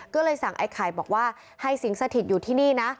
ก็เลยสั่งไอ้ไข่บอกว่าให้สิงสถิตอยู่ที่นี่นะ